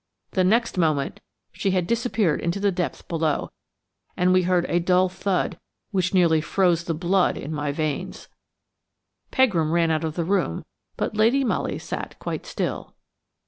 The next moment she had disappeared into the depth below, and we heard a dull thud which nearly froze the blood in my veins. Pegram ran out of the room, but Lady Molly sat quite still.